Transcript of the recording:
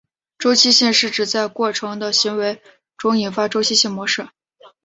周期性是指在过程的行为中引发周期性模式。